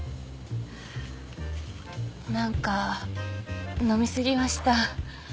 何か飲み過ぎました。